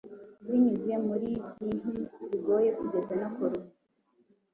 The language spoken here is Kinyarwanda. Binyuze muri byinhi bigoye kugeza no ku rupfu,